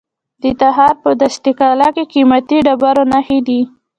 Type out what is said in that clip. د تخار په دشت قلعه کې د قیمتي ډبرو نښې دي.